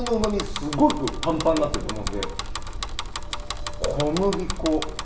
すごくパンパンになってると思うんで小麦粉。